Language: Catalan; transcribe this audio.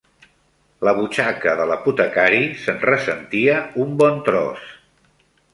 La butxaca de l'apotecari se'n ressentia un bon tros